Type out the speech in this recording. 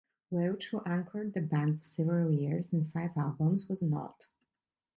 Welch, who anchored the band for several years and five albums, was not.